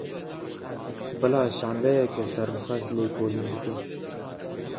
Bila şandeyeke serbixwe lêkolîn bike